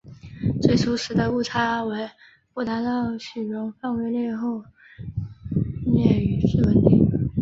最初时的误差为不达到许容范围内后趋于稳定。